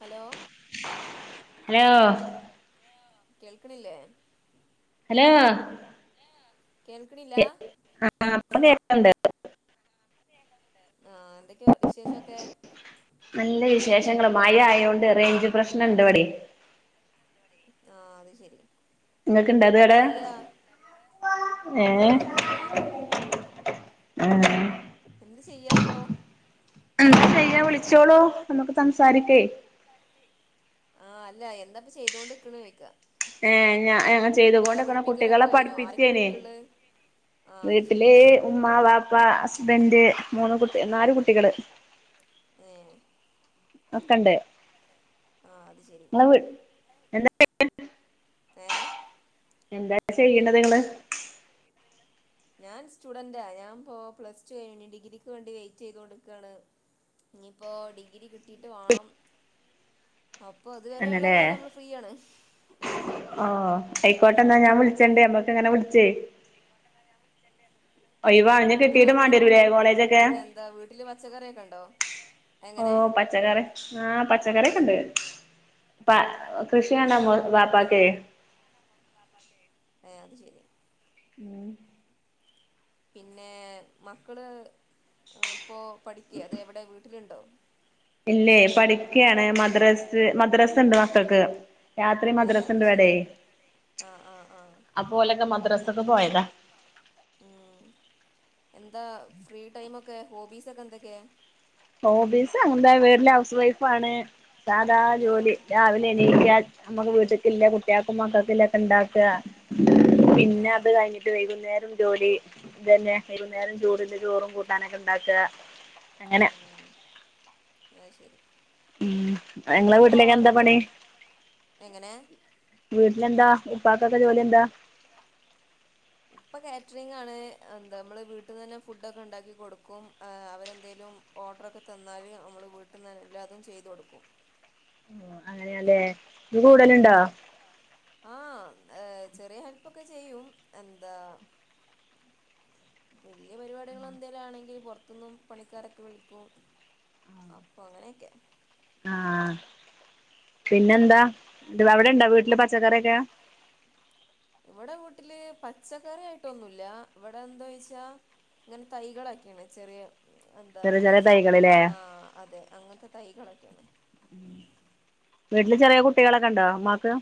Hello hello കേൾക്കണില്ലേ ആ ആ പറ കേക്കണ്ട് ആഹ എന്തൊക്കെയ വിശേഷമൊക്കെ പ്രശ്നങ്ങൾ മഴ ആയ കൊണ്ട് റേഞ്ച് പ്രശ്നംണ്ട് ഇവടെ ആഹ അത് ശെരി നിങ്ങക്ക് ഇണ്ട അത് എട ആഹ് അവിടെ മയക്കുണ്ട് ഉം എന്ത് ചെയ്യാപ്പൊ എന്താ ചെയ വിളിച്ചോളോ നമുക്ക് സംസാരിക്കേ ആ അല്ല എന്താപ്പ ചെയ്തൊണ്ട് നിക്ക്ണ ചോയ്ക്ക ഏ ഞാ ങ്ങെ ചെയ്തുകൊണ്ടക്കണ കുട്ടികളെ പഠിപ്പിക്കേനി വീട്ടിലെ ഉമ്മാ ബാപ്പ അപ്പ ഹസ്ബന്ഡ് മൂന്ന് കുട്ടി നാല് കുട്ടികള് ഏ അക്കണ്ട് ആഹ അത് ശെരി എന്താ ഏ എന്താ ചെയ്യണ്ണത് നിങ്ങള് ഞാൻ സ്റ്റുഡന്റാ ഞാൻ ഇപ്പോ പ്ലസ് ടു കഴിഞ്ഞു ഡിഗ്രിക്ക് വേണ്ടി വെയിറ്റ് ചെയ്ത കൊണ്ടിരിക്കുകയാണ് ഇനിയിപ്പോ ഡിഗ്രി കിട്ടീട്ട് വേണം അപ്പൊ അതുവരെയുള്ള കാലം നമ്മള് ഫ്രീയാണ് ആ ആയിക്കോട്ട എന്നാ ഞാൻ വിളിച്ചണ്ടേ അമ്മക്ക് ഇങ്ങനെ വിളിച്ചേ ഒഴിവ അു കിട്ടീട്ട് വേണ്ടരൂല കോളേജൊക്കെ ഓ പച്ചക്കറി ആ ന്ങ്ങണ്ടെയെക്ക്ണ്ട് പ കൃഷിയാണാമ്പോവാ പാപ്പാക്കേ [inaudible] ഏ അത്ശെരി ഉം പിന്നെ മക്കള് ഇപ്പോ പഠിക്ക്ആ അത് ഇവിടെ വീട്ടില്ണ്ട് ഇല്ലേ പഠിക്കാണ് മദ്രസ് മദ്രസ്ണ്ട് മക്കക്ക് രാത്രി മദ്രസ്ണ്ടിവ്ടേ അപ്പോലൊക്കെ മദ്രസക്ക് പോയതാ ഉം എന്താ ഫ്രീ ടൈമൊക്കെ ഹോബീസൊക്കെ എന്തൊക്കെയാ ഹോബീസാ എന്താ വേ നല്ല ഹൗസ് വൈഫ ആാണ് സാധാ ജോലി രാവിലെ എണീക്ക നമ്മുക്ക് വീട്ടക്കില്ല കുട്ടിയാക്കും മക്കൾക്കില്ലൊക്കെ ഇണ്ടാക്ക്ആ പിന്നെ അത് കയിഞ്ഞിട്ട് വൈകുന്നേരം ജോലി ഇതന്നെ വൈകുന്നേരം ചോറ്ണ്ട് ചോറും കൂട്ടാനൊക്കെ ഉണ്ടാക്ക്അ അങ്ങനെ ആത്ശെരി ഉം നിങ്ങളെ വീട്ടിലെക്കെന്താ പണി വീട്ടിലെന്താ ഉപ്പാക്കൊക്കെ ജോലിയെന്താ കാറ്ററിംഗാണ് നമ്മള് വീട്ട്ന്നെന്നെ ഫുഡ്ഡൊക്കെ ഇണ്ടാക്കിക്കൊടുക്കും അവരെന്തേലും ഓർഡറൊക്കെ തന്നാല് നമ്മള് വീട്ട്ന്നെല്ലാതും ചെയ്ത്കൊടുക്കും ഉം അങ്ങനെയാല്ലെ ഇയ്യ് കൂടലുണ്ടോ ആഹ് ഏ ചെറിയ ഹെൽപ്പൊക്കെ ചെയ്യും എന്താ വല്യ പരിപാടികളെന്തേലാണെങ്കിൽ പൊറ ത്ത്ന്നും പണിക്കാരൊക്കെ വിളിക്കും അപ്പൊ അങ്ങനെയൊക്കെ ആഹ് പിന്നെന്താ അവിടെണ്ടോ വീട്ടില് പച്ചക്കറിയൊക്കെ ഇവിടെ വീട്ടില് പച്ചക്കറിയായിട്ടൊന്നുല്ല ഇവിടെ എന്താവെച്ചാ ഇങ്ങനെ തൈകളൊക്കെയാണ് ചെറിയ എന്താ അങ്ങനെ ചിക്കു ആഹ് അതെ അങ്ങനത്തെ തൈകളൊക്കെയാണ് [inaudible] വീട്ടില് ചെറിയ കുട്ടികളൊക്ക്ണ്ടോ ഉമ്മാക്ക്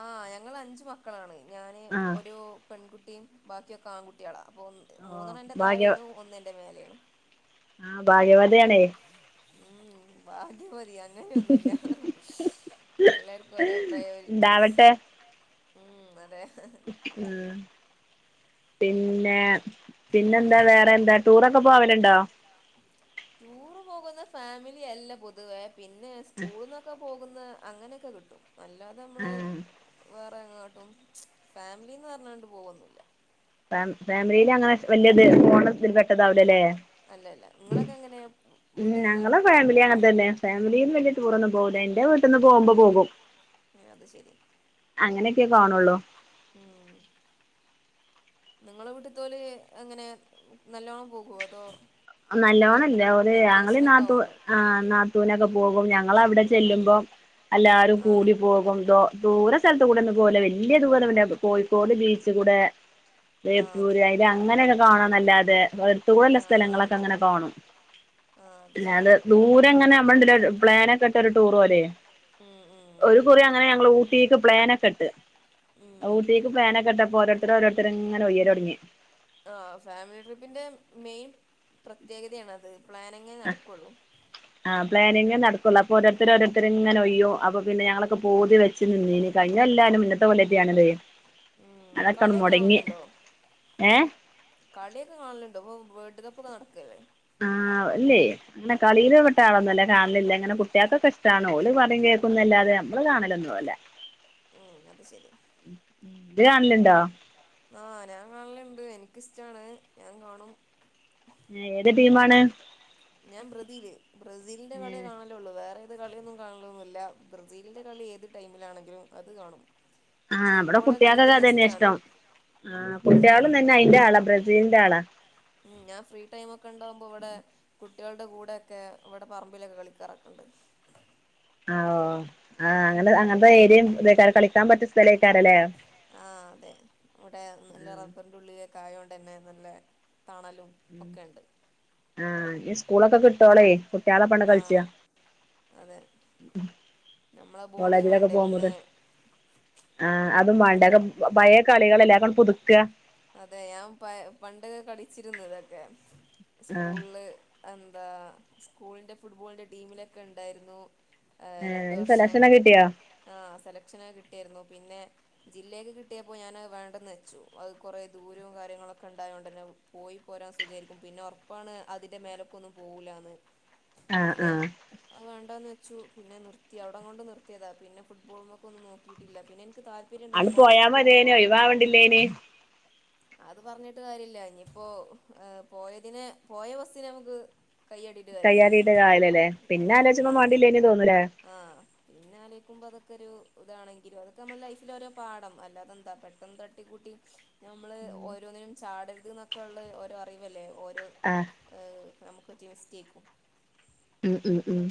ആ ഞങ്ങളഅഞ്ചു മക്കളാണ് ഞാന് ഒരു പെൺകുട്ടിയും ബാക്കിയൊക്കാൺകുട്ടികളാ അപ്പൊ മൂന്നെണ്ണെന്റെ താഴെയാണ് ഒന്നെന്റെ മേലെയാണ് തെയാണേ ഭാഗ്യവതി അങ്ങനെയൊന്നുല്ല എല്ലാർക്കും ഓരോ പ്രയോരിറ്റീസ് ഉം അതെ ഉം പിന്നെ പിന്നെന്താ വേറെയെന്താ ടൂറൊക്കെ പോവലുണ്ടോ ടൂറ് പോകുന്ന ഫാമിലിയല്ല പൊതുവേ പിന്നെ സ്കൂള്ന്നൊക്കെ പോകുന്ന അങ്ങനെയൊക്കെ കിട്ടും അല്ലാതമ്മള് ഇപ്പെങ്ങോട്ടും ഫാമിലിന്ന് പറഞ്ഞോണ്ട് പോവൊന്നില്ല ഫാം ഫാമിലിയിലങ്ങനെ വല്യത് പോണ ഇതിൽ പെട്ടതാവില്ലാ ല്ലെ ഉം ഞങ്ങള ഫാമിലിയങ്ങനെതന്നെ ഫാമിലിയും വല്യ ടൂറൊന്നും പോവില്ല എന്റെ വീട്ട്ന്ന് പോകുമ്പൊ പോകും ഏ അത്ശെരി അങ്ങനെയൊക്കെയെ കാണുള്ളൂ നിങ്ങളെ വീട്ട്ത്തോല് അങ്ങനെ നല്ലോണ്ണം പോകുഓ അതോ നല്ലോണംല്ല ഓര് അങ്ങളെയും നാത്തൂ ആ നാത്തൂനൊക്കെ പോകും ഞങ്ങളവിടെ ചെല്ലുമ്പം എല്ലാരും കൂടി പോകും ദൂര സ്ഥലത്ത്കൂടൊന്നും പോവില്ല വല്യ ദൂരെവില്ല കോഴിക്കോട് ബീച്ച് കൂടെ ബെപ്പൂര് അതില് അങ്ങനെയൊക്കെ കാണാൻ നല്ലാത് സ്ഥലങ്ങളൊക്കെ അങ്ങനെ കാണും അല്ലതെ ദൂരെ എങ്ങനെ അല്ല പ്ലാനൊക്കെട്ട് ഒര് ടൂറ് പോലെ ഒരു കുറി അങ്ങനെ ഞങ്ങള് ഊട്ടിക്ക് പ്ലാന് ഒക്കെട്ട് ഊട്ടിക്ക് പ്ലാനൊക്കെട്ടാപ്പോ ഓരോ ഇവടെ ഓരോര്ത്താര് ഇങ്ങനെ ഒയ്യര് തെടങ്ങി ആ ഫാമിലി ട്രിപ്പിന്റെ മെയിൻ പ്രത്യേകതയാണ് അത് പ്ലാനിങ്ങേ നടക്കേള്ളൂ ആ പ്ലാനിങ് നടക്കൊള്ളു അപ്പോ ഓരോത്തര് ഓരോത്തര് ഇങ്ങനെ ഒയ്യോ അപ്പൊ പിന്നെ ഞങ്ങളൊക്കെ പുതി വെച്ച് നിന്നിനി കഴിഞ്ഞാ എല്ലാരും ഇന്നത്തെ പോലത്തെ അതൊക്കെ അങ്ങ് മൊടങ്ങി യെ കളിയൊക്കെ കാണലോണ്ടോ ഇപ്പൊ വേൾഡ് കപ്പ് ഒക്കെ നടക്കല്ലോ ആാഅല്ലേ അങ്ങനെ കളില് പെട്ടാ ആളൊന്നു അല്ലാ കാണില്ല അങ്ങനെ കുട്ടികൾക്കെ ഇഷ്ടണേ ഓള് പറയും കേൾക്കുന്നും അല്ലാതെ നമ്മള് കാണലൊന്നും അല്ല ഉം അത് ശെരി ഇത് കാണാലോണ്ടോ ആാ ഞാൻ കാണല്ണ്ട് എനിക്കിഷ്ടാണ് ഞാൻ കാണും ഏത് ടീമമാണ് ബ്രതില് ബ്രസിന്റെ കളി കണല്ല് ഒള്ളു വേറെ ത് കളിയൊന്നും കാണൊന്നു ഇല്ല ബ്രസീലിന്റെ കളി ഏത് ടൈമിലാണെങ്കിലും അത് കാണും ആാ ഇവടെ കുട്ടിയാക്കൊക്കെ അത് തന്നെയാ ഇഷ്ടം ആാ കുട്ടികള് തന്നെ അയിൻ്റെ ആളാ ബ്രസീലിന്റെ ആളാ ഉം ഞാൻ ഫ്രീ ടൈം ഒക്കെ ഇണ്ടാവുമ്പോ ഇവടെ കുട്ടികള്ടെ കൂടെക്കെ ഇവടെ പറമ്പിലൊക്കെ കളിക്കാറ് ഒക്കെണ്ട് ആാ ആാ അങ്ങനെ അങ്ങനത്തെ ഏരിയേയും [unintelligible] കളിക്കാൻ പറ്റുന്ന സ്ഥല ആാ അതെ ഇവടെ നല്ലാ റബ്ബറിൻ്റെ ഉള്ളോക്കെ ആയോണ്ട തന്നെ നല്ലോ ആാ ഇനി സ്കൂളൊക്കെ കിട്ടോളെ കുട്ടികളെ പണ്ട് കളിച്ചാ അതെ നമ്മളെ ബോഡിയും വേണ്ടേ ഒന്ന് ആാ അതും മാണ്ടേ ഒ പയെ കളികളെല്ലോ അങ്ങാട് പുത്ക്ക്യാ [unintelligible] അതൊക്കെ സ്കൂള് അ ദാ സ്കൂളിൻ്റെ ഫുട്ബോളിൻ്റെ ടീമിലൊക്കെ ഇണ്ടാര്ന്നു രണ്ട് വർഷം ആ സെലക്ഷനെക്കെ കിട്ടിയാരുന്നു പിന്നെ ജില്ലേക്ക് കിട്ടിപ്പോ ഞാന് അയ് വേണ്ടെന്ന് വെച്ചു അത് കൊറെ ദൂരോം കാര്യങ്ങളൊക്കെ ഒണ്ടായോണ്ടന്നെ പോയി പോ [unintelligible] അസുഖരിക്കും പിന്നെ ഒറപ്പാണ് അതിന്റെ മേലൊക്കെ ഒന്നും പോവൂല്ലാന്ന് പിന്നെ അത് വേണ്ടാന്ന് വെ ച്ചു പിന്നെ നിർത്തി അവടെം കൊണ്ട് നിർത്തിയതാ പിന്നെ ഫുട്ബോളോക്കെ ഒന്ന് നോക്കിയിട്ടില്ല പിന്നെ എനിക്ക് താ ആയ്ന് പോയാ മതിനു ഒഴവാവണ്ടില്ലേന് അത് പറഞ്ഞിട്ട് കാര്യയില്ല ഇനിയിപ്പോ ആ പോയതിനെ പോയ ബസ്സിനെ നമക്ക് കയ്യാട്ടിട്ട് കായലല്ലേ പിന്നെ ആലോച്ചാപ്പോ [unintelligible] ആാ പിന്നെ ആലിക്ക്മ്പോ അത ഒര് ഇതാണെങ്കിലും അതൊക്കെ നമ്മളേ ലൈഫിലെ ഓരോ പാഠം അല്ലാതെ എന്താ പെട്ടെന്ന് തട്ടി കൂട്ടി നമ്മള് ഓരോന്നിനും ചാടര്ത് എന്നൊക്കെ ഒള്ള ഓരോ അറിവല്ലേ ഓരോ ആ നമ്മ പറ്റിയാ മിസ്റ്റേക്കും ഉം ഉം ഉം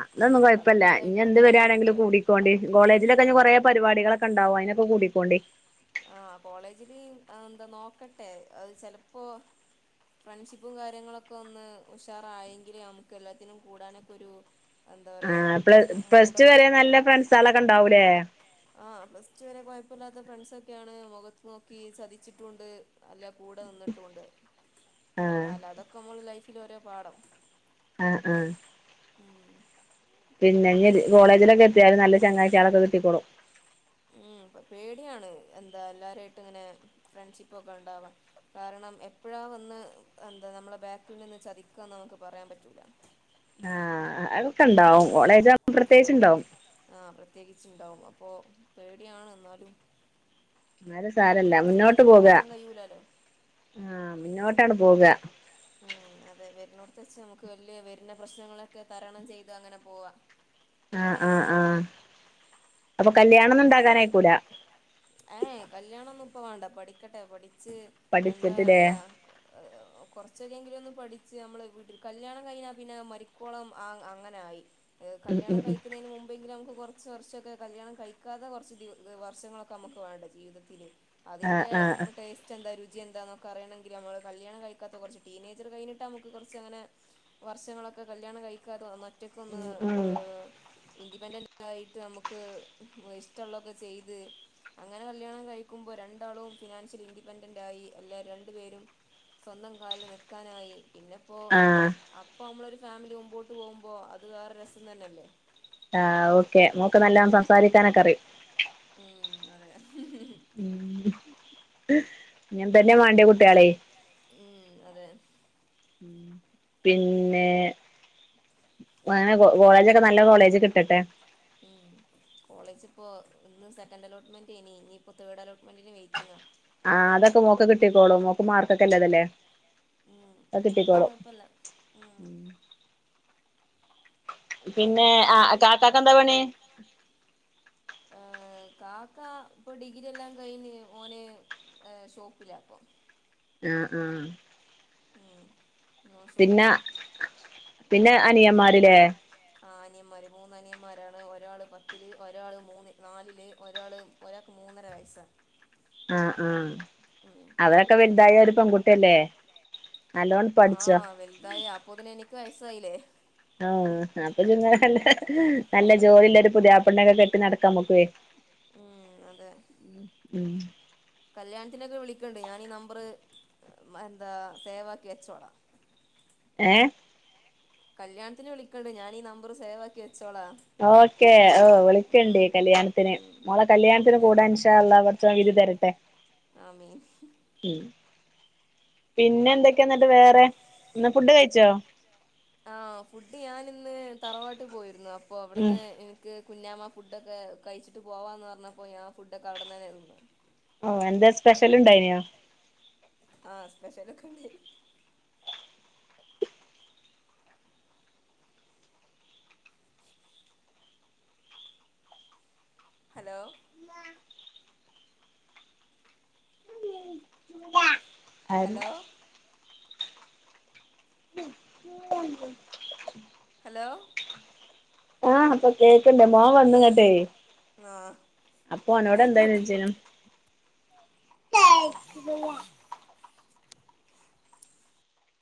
അതൊന്നും കൊഴപ്പില്ല ഇനി എന്ത് വരിയാണെങ്കിലും കൂടിക്കോണ്ടേ കോളേജിലൊക്കെ കൊറെ പരിപാടികള്ക്കെ ഒണ്ടാവും അയിനൊക്കെ കൂടി കോണ്ടേ ആാ കോളേജില് ആ എന്താ നോക്കട്ടെ അത് ചെലപ്പോ ഫ്രണ്ട്ഷിപ്പും കാര്യങ്ങളൊക്കെ ഒന്ന് ഉഷാറായിയെങ്കിലെ നമ്മക്ക് എല്ലാത്തിനും കൂടാനെക്കെ ഒരു ആാ പ്ല പ്ലസ് ടു വെരെ നല്ല ഫ്രണ്ട്സ് ആളൊക്കെ ഒണ്ടാവൂല്ലോ പ്ലസ് ടൂ വെരെ കുഴപ്പില്ലാത്ത ഫ്രണ്ട്സ് ഒക്കെയാണ് മുഖത്ത് നോക്കി ചതിച്ചിട്ടുണ്ട് അല്ല കൂടെ നിന്നിട്ടുംണ്ട് പല അതൊക്കെ നമ്മള് ലൈഫില് ഓരോ പാഠം ആാ ആാ ഉം പിന്നെ ഇനി കോളേജിലൊക്കെ എത്തിയാലും നല്ല ചങ്ങാഴ്ചകളൊക്കെ കിട്ടിക്കോളും ഉം പേടിയാണ് എന്താ എല്ലാരായിട്ടും ഇങ്ങനെ ഫ്രണ്ട്ഷിപ്പ് ഒക്കെ ഉണ്ടാവാൻ കാരണം എപ്പോഴ എന്താ നമ്മളെ ബാക്ക്ന്ന് ചതിക്കാന്ന് നമുക്ക് പറയാൻ പറ്റൂല ആഹ അതൊക്കെ ഇണ്ടാവും കോളേജ് ആകുമ്പ പ്രത്യേകിച്ച ഇണ്ടാവും അപ്പൊ പേടിയാണ് എന്നാലും എന്നാലും സാരല്ല മുന്നോട്ട് പോക ആഹ മുന്നോട്ടാണ് പോക ഉം അതെ വരുന്നിടത്ത് വച്ച് നമുക്ക് വലിയ വരുന്ന പ്രശ്നങ്ങളൊക്കെ തരണം ചെയ്തു അങ്ങനെ പോവാ ആഹ ആഹ ആഹ അപ്പൊ കല്യാണന്നും ഉണ്ടാകാനയക്കുല്ല ഏയ് കല്യാണന്നും ഇപ്പ വേണ്ട പഠിക്കട്ടെ പഠിക്ക ഇജ എന്താ പറയാ കുറച്ചൊെങ്കിലും ഒന്ന് പഠി ഇച്ച് നമ്മള് വീട്ടിൽ കല്യാണം കഴിഞ്ഞാൽ പിന്നെ മരിക്കോളം ആ അങ്ങനെ ആയി. കല്യാണം കഴിക്കുന്നതിന് മുമ്പെങ്കിലും നമുക്ക് കുറച്ച് വർഷമൊക്കെ കല്യാണം കഴിക്കാതെ കുറച്ച് ദി വർഷങ്ങളൊക്കെ നമുക്ക് വേണ്ട ജീവിതത്തിൽ അതിന്റെ ടേസ്റ്റ് എന്തായാലും രുചി എന്താക്കെ അറിയണങ്കിൽ നമ്മള് കല്യാണം കഴിക്കാത്ത കൊർച് ടീനേജർ കഴിഞ്ഞിട്ട് നമുക്ക് കുറച്ച് അങ്ങനെ വർഷങ്ങൾ കല്യാണ കഴിക്കാതെ വന്നാൽ ഒറ്റക്ക് ഒന്ന് ഇൻഡിപെൻഡന്റ് ആയിട്ട് നമുക്ക് ഇഷ്ടമുള്ളെ ഒക്കെ ചെയ്ത് അങ്ങനെ കല്ല്യാണം കഴിക്കുമ്പോ രണ്ടാളും ഫിനാൻഷ്യൽ ഇൻഡിപെൻഡന്റ് ആയി അല്ലെ രണ്ടു പേരും സ്വന്തം കാലിൽ നിൽക്കാനായി. പിന്നെപ്പോ അപ്പൊ നമ്മളൊരു ഫാമിലി മുമ്പോട്ട് പോകുമ്പോ അത് വേറെ രസംതന്നെയല്ലേ? ആ ഓക്കെ മോൾക് നല്ല സംസാരിക്കാനൊക്കെ അറിയും. ഹെ ഇങ്ങനെതന്നെ വേണ്ട കുട്ടികളെ ഉം അതെ പിന്നെ അങ്ങനെ കോളേജൊക്കെ നല്ല കോളേജ് കിട്ടട്ടെ. ഉം കോളേജ് ഇപ്പോ ഇന്ന് സെക്കന്റ് അലോട്ട്മെന്റ്നി ഇനി തേർഡ് അലോട്ട്മെന്റിന് വെയിറ്റിങ്ങാ ആഹ അതൊക്കെ മോൾക് കിട്ടിക്കോളും മോക്ക് മാർക്കൊക്കെയുള്ളതല്ലേ. അത്കിട്ടിക്കോളും ഉം. പിന്നെ ആ കാക്കയ്ക്ക് എന്താപണി? കാക്ക ഇപ്പൊ ഡിഗ്രിെല്ലാം കയിഞ്ഞ് ഓന് ഏ ഷോപ്പിലാണ് ഇപ്പോ. ഉം ഉം പിന്നെ പിന്നെ അനിയന്മാരിലേ ആ അനിയന്മാര് മൂന്നാനിയന്മാരാണ് ഒരാൾ പത്തില് ഒരാള് മൂന്ന് നാലില് ഒരാള് ഒരാൾക്ക് മൂ മൂന്നര വയസ്സാ ആ ആഹ അവരൊക്കെ വലുതായ ഒരു പെൺകുട്ടിയല്ലേ ആഹ വലുതായി അപോത്തിന് എനിക്ക് വയസായില്ലേ ആഹ അപ്പൊ ഇജ്ജ് ഇങ്ങനതെന്നെ ഹഹ് നല്ല ജോലില്ല ഒരു പുതിയാപ്പെണ്ണൊക്കെ കെട്ടി നടക്ക നമ്മക്ക് ഉം ഉം കല്യാണത്തിനൊക്കെ വിളിക്കണ്ട് ഞൻ ഈ നമ്പറ് എന്താ സേവ് ആക്കിവെച്ചോളം ഏ കല്യാണത്തിന് വിളിക്കണ്ട് ഞൻ ഈ നമ്പർ സേവ് ആക്കി വേ ഓക്കെ ഓ വിളിക്കണ്ടു കല്യാണത്തിന് മമ്മളെ കല്യാണത്തിന് കൂടാൻ ഇൻശാഅൽഹാ പടച്ചോന് വിധി തരട്ടെ ആമീ ഉം പിന്നെന്തൊക്കെ ന്നിട്ട് വേറെ ന്നാ ഫുഡ് കഴിച്ചോ? ആ് ഫുഡ് ഞാനിന്ന് തറവാട്ടി പോയിരുന്നു അപ്പൊ അവിടുന്ന് എനിക്ക് കുഞ്ഞാമ ഫുഡൊക്കെ കഴിച്ചിട്ട് പോവാന്ന് പറഞ്ഞപ്പോ ഞാ ഫുഡ്ഡോക്കെ അവിടന്നൊ ഓ എന്താ സ്പെഷ്യൽ ണ്ടായിനോ? ആ സ്പെഷലൊക്കെണ്ടയ് ഹലോ ഹലോ ഹലോ ആഹ് പ് കെ ണ്ട് മോൻ വന്ന്ങ്ങട്ടെ അപ്പൊ ഓനോടെ ന്താന്ന്ച്ചേനു. [unintelligible]